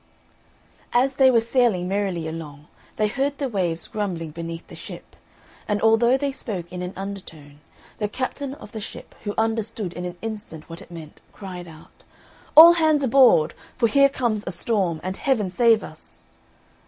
As they were sailing merrily along they heard the waves grumbling beneath the ship; and although they spoke in an undertone, the captain of the ship, who understood in an instant what it meant, cried out, "All hands aboard! for here comes a storm, and Heaven save us!"